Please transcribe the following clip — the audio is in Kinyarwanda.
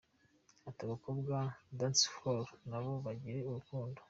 Ati “Abakora Dancehall na bo bagira urukundo.